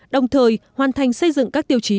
đồng thời hoàn thành xây dựng các tiêu chí